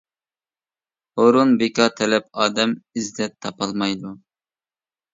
ھۇرۇن، بىكار تەلەپ ئادەم ئىززەت تاپالمايدۇ.